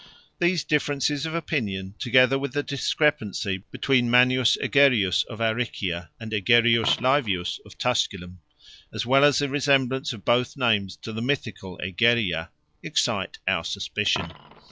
These differences of opinion, together with the discrepancy between Manius Egerius of Aricia and Egerius Laevius of Tusculum, as well as the resemblance of both names to the mythical Egeria, excite our suspicion.